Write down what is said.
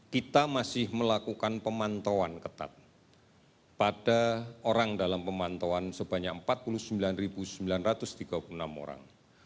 kita masih melakukan pemantauan ketat pada orang dalam pemantauan sebanyak empat puluh sembilan sembilan ratus tiga puluh enam orang